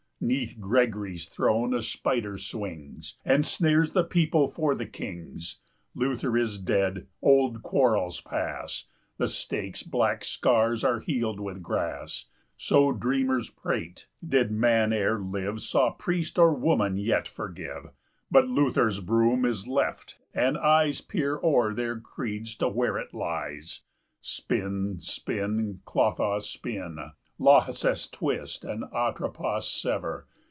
60 'Neath Gregory's throne a spider swings, And snares the people for the kings; "Luther is dead; old quarrels pass; The stake's black scars are healed with grass;" So dreamers prate; did man e'er live 65 Saw priest or woman yet forgive; But Luther's broom is left, and eyes Peep o'er their creeds to where it lies. Spin, spin, Clotho, spin! Lachesis, twist! and, Atropos, sever!